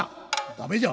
「駄目じゃ」。